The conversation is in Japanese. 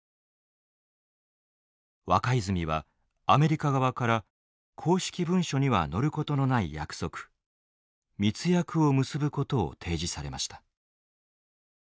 若泉はアメリカ側から公式文書には載ることのない約束密約を結ぶことを提示されました。